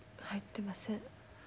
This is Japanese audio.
入ってません。